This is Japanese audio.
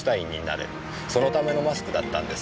そのためのマスクだったんです。